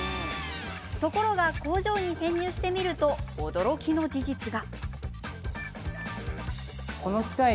ところが工場に潜入してみると驚きの事実が。